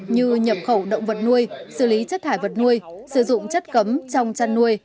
như nhập khẩu động vật nuôi xử lý chất thải vật nuôi sử dụng chất cấm trong chăn nuôi